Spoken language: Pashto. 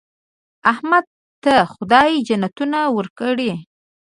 احمد ته خدای جنتونه ورکړي.